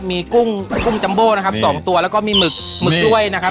มีกุ้งจัมโบ้นะครับสองตัวแล้วก็มีหมึกหมึกด้วยนะครับ